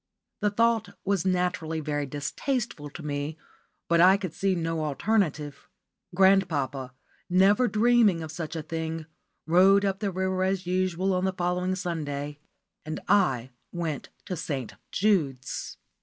The thought was naturally very distasteful to me, but I could see no alternative. Grandpapa, never dreaming of such a thing, rowed up the river as usual on the following Sunday, and I went to St. Jude's.